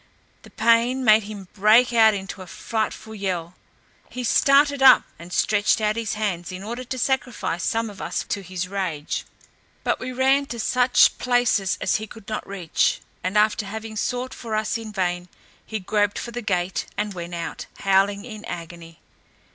The pain made him break out into a frightful yell: he started up, and stretched out his hands, in order to sacrifice some of us to his rage: but we ran to such places as he could not reach; and after having sought for us in vain, he groped for the gate, and went out, howling in agony.